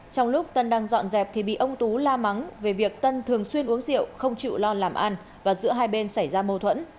trong lúc tân đang dọn dẹp thì bị ông tú la mắng về việc tân thường xuyên uống rượu không chịu lo làm ăn và giữa hai bên xảy ra mâu thuẫn